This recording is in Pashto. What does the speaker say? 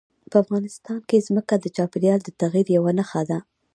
په افغانستان کې ځمکه د چاپېریال د تغیر یوه نښه ده.